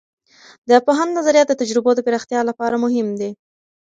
د پوهاند نظریات د تجربو د پراختیا لپاره مهم دي.